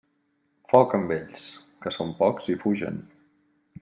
Foc amb ells, que són pocs i fugen.